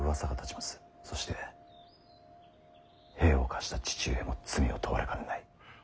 そして兵を貸した父上も罪を問われかねない。